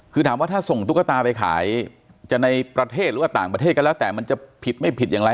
คือถามว่าถ้าส่งตุ๊กตาไปขายจะในประเทศหรือว่าต่างประเทศก็แล้วแต่มันจะผิดไม่ผิดอย่างไร